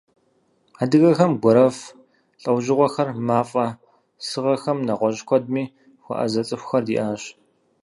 Адыгэхэм гуэрэф лӏэужьыгъуэхэм, мафӏэ сыгъэхэм, нэгъуэщӏ куэдми хуэӏэзэ цӏыхухэр диӏащ.